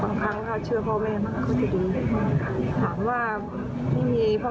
บางครั้งก็เหมือนว่ามันเลี้ยงลูกไม่ดีหรือเปล่า